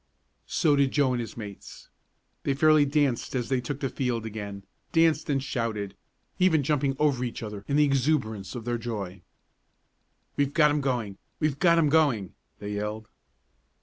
So did Joe and his mates. They fairly danced as they took the field again; danced and shouted, even jumping over each other in the exuberance of their joy. "We've got 'em going! We've got 'em going!" they yelled.